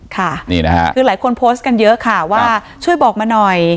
ค่ะนี่นะคะคือหลายคนโพสต์กันเยอะค่ะว่าช่วยบอกมาหน่อย